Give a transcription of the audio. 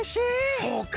そうか。